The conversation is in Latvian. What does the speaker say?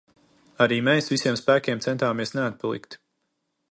Arī mēs visiem spēkiem centāmies neatpalikt.